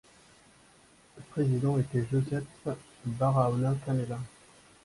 Le président était Josep Barahona Canela.